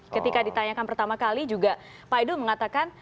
ketika ditanyakan pertama kali juga pak idul mengatakan